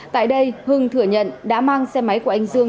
tại đây hưng thừa nhận đã mang xe máy của anh dương